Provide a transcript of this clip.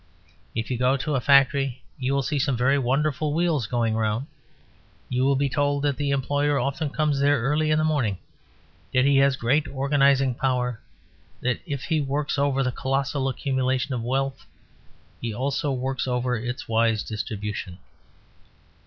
If you go to a factory you will see some very wonderful wheels going round; you will be told that the employer often comes there early in the morning; that he has great organising power; that if he works over the colossal accumulation of wealth he also works over its wise distribution.